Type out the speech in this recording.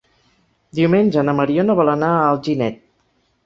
Diumenge na Mariona vol anar a Alginet.